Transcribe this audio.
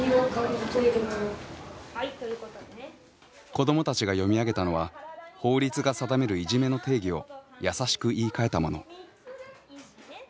子どもたちが読み上げたのは法律が定めるいじめの定義をやさしく言いかえたもの。